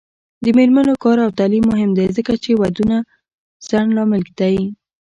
د میرمنو کار او تعلیم مهم دی ځکه چې ودونو ځنډ لامل دی.